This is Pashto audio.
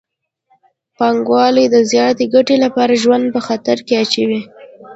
پانګوال د زیاتې ګټې لپاره ژوند په خطر کې اچوي